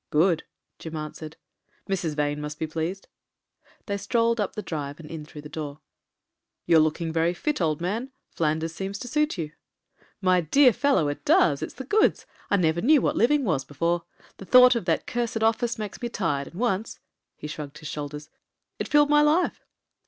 "Good," Jim answered. "Mrs. Vane must be pleased." They strolled up the drive and in through the door. "You're looking very fit, old man. Flan ders seems to suit you." "My dear fellow, it does. It's the goods. I never knew what living was before. The thought of that cursed office makes me tired — ^and once" — ^he shrugged his shoulders — "it filled my life.